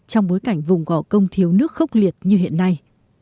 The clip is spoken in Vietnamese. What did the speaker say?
trong bối cảnh vùng gò công thiếu nước khốc liệt như hiện nay